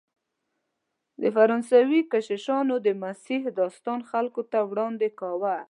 فرانسوي کشیشانو د مسیح داستان خلکو ته وړاندې کاوه.